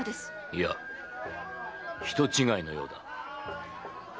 いや人違いのようだ。